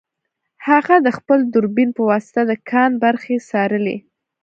هغه د خپل دوربین په واسطه د کان برخې څارلې